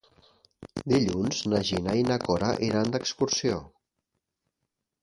Dilluns na Gina i na Cora iran d'excursió.